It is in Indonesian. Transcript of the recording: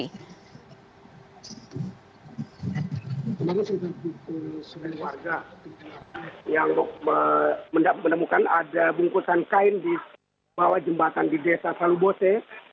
kemarin sudah pukul sembilan warga yang menemukan ada bungkusan kain di bawah jembatan di desa salubose